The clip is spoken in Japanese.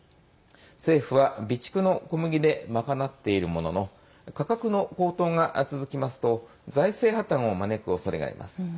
政府は、備蓄の小麦で賄っているものの価格の高騰が続きますと財政破綻を招くおそれがあります。